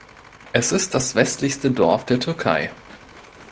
Es ist das westlichste Dorf der Türkei.